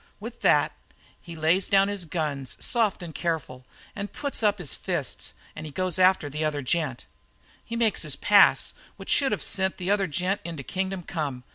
"With that, he lays down his guns, soft and careful, and puts up his fists, and goes for the other gent. "He makes his pass, which should have sent the other gent into kingdom come.